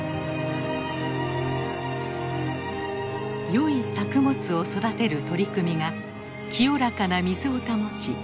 よい作物を育てる取り組みが清らかな水を保ち